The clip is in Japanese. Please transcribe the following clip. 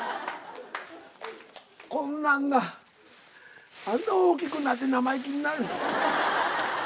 こんなんがあんな大きくなって生意気に。